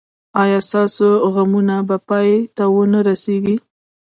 ایا ستاسو غمونه به پای ته و نه رسیږي؟